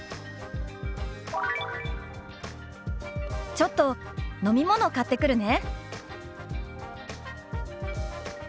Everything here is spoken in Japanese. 「ちょっと飲み物買ってくるね」。